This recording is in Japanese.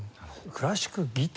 クラシックギター